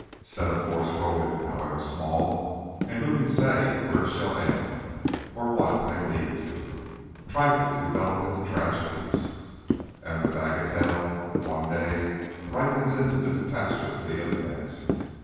Set a force rolling, however small; and who can say where it shall end, or what it may lead to! Trifles develop into tragedies, and the bagatelle of one day ripens into the catastrophe of the next.